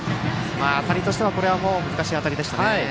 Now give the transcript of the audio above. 当たりとしては難しい当たりでしたね。